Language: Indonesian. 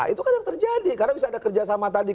itu kan yang terjadi karena bisa ada kerjasama tadi